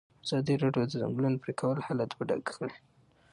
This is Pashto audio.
ازادي راډیو د د ځنګلونو پرېکول حالت په ډاګه کړی.